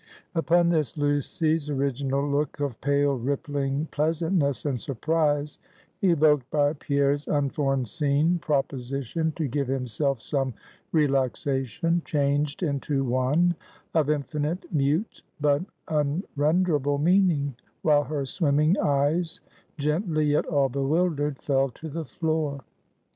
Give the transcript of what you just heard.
Upon this, Lucy's original look of pale rippling pleasantness and surprise evoked by Pierre's unforeseen proposition to give himself some relaxation changed into one of infinite, mute, but unrenderable meaning, while her swimming eyes gently, yet all bewildered, fell to the floor.